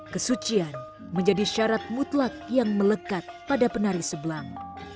kesucian menjadi syarat mutlak yang melekat pada penari sebelang